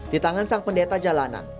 di tangan sang pendeta jalanan